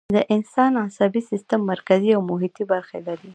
د انسان عصبي سیستم مرکزي او محیطی برخې لري